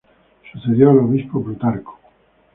Sucedió al Obispo Plutarco.